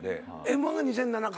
Ｍ−１が２００７か。